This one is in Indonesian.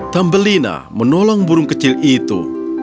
tambelina menolong burung kecil itu